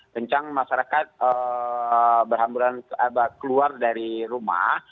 kencang masyarakat berhamburan keluar dari rumah